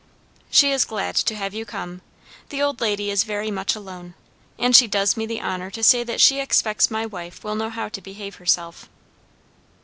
"She is glad to have you come. The old lady is very much alone. And she does me the honour to say that she expects my wife will know how to behave herself."